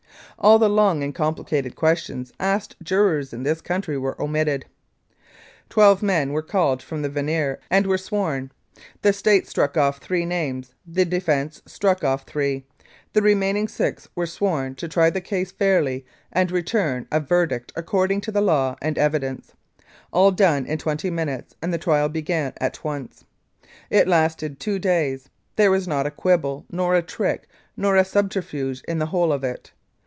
All the long and complicated questions asked jurors in this country were omitted. Twelve men were called from the venire and were sworn, the State struck off three names, the defence struck off three, the remaining six were sworn to try the case fairly and return a verdict according to the law and evidence ; all done in twenty minutes, and the trial began at once. It lasted two days. There was not a quibble nor a trick nor a subterfuge in the whole of it.